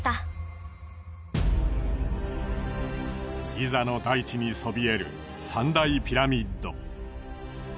ギザの大地にそびえる三大ピラミッド。